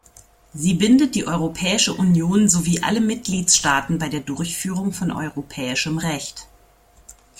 Sie bindet die Europäische Union sowie alle Mitgliedstaaten bei der Durchführung von europäischem Recht.